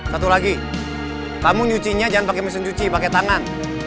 satu lagi kamu nyucinya jangan pakai mesin cuci pakai tangan